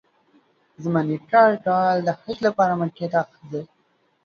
زما نیکه هر کال د حج لپاره مکې ته ځي.